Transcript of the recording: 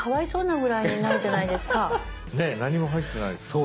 ねえ何も入ってないですね。